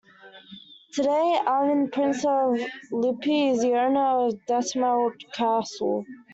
Today, Armin, Prince of Lippe is the owner of Detmold Castle.